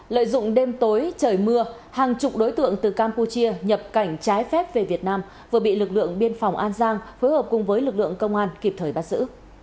lợi dụng đêm tối trời mưa hàng chục đối tượng từ campuchia nhập cảnh trái phép về việt nam vừa bị lực lượng biên phòng an giang phối hợp cùng với lực lượng công an kịp thời bắt giữ